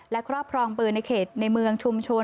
และครอบครองปืนในเขตในเมืองชุมชน